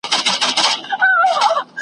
یوازي نوم دی چي پاته کیږي .